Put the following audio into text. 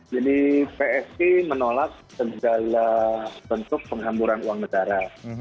jadi psi menolak segala bentuk penghamburan uang negara